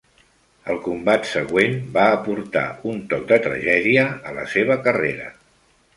El combat següent va aportar un toc de tragèdia a la seva carrera.